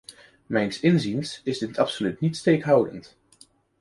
Mijns inziens is dit absoluut niet steekhoudend.